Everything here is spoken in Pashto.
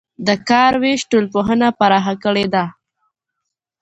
د کار وېش ټولنپوهنه پراخه کړې ده.